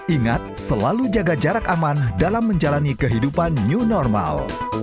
ingat selalu jaga jarak aman dalam menjalani kehidupan new normal